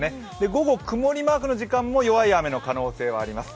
午後曇りマークの時間も弱い雨の可能性があります。